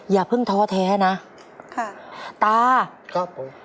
อย่าเพิ่งท้อแท้นะค่ะตาครับผม